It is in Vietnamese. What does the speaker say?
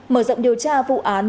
mở rộng điều tra vụ án